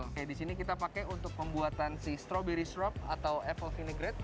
oke disini kita pake untuk pembuatan si strawberry syrup atau apple vinegarate